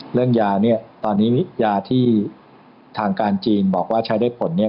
ยาเนี่ยตอนนี้ยาที่ทางการจีนบอกว่าใช้ได้ผลเนี่ย